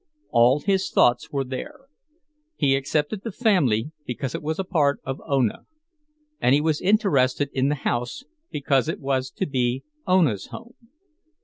All his thoughts were there; he accepted the family because it was a part of Ona. And he was interested in the house because it was to be Ona's home.